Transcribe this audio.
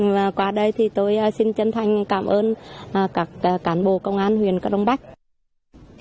và qua đây thì tôi xin chân thành cảm ơn các cảnh bộ công an huyện cronbark